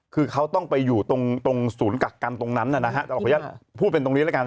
คือเขาต้องไปอยู่ตรงสูญกักกันตรงนั้นแต่เราพูดเป็นตรงนี้ด้วยกัน